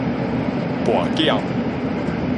跋筊